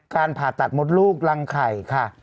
ผ่าตัดมดลูกรังไข่ค่ะ